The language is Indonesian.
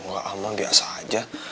ya allah biasa aja